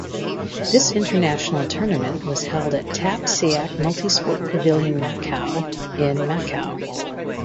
This international tournament was held at Tap Seac Multisport Pavilion Macau in Macau.